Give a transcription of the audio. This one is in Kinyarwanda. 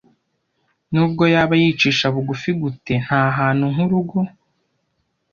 Nubwo yaba yicisha bugufi gute, ntahantu nkurugo.